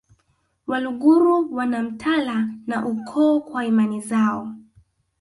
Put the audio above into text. Waluguru wana mtala na ukoo kwa imani zao